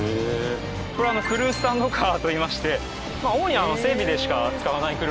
これはクルースタンドカーといいまして主に整備でしか扱わない車ですが。